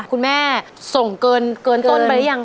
คุณแม่ส่งเกินต้นไปได้อย่างไร